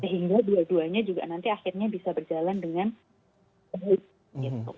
sehingga dua duanya juga nanti akhirnya bisa berjalan dengan baik